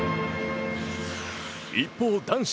一方、男子。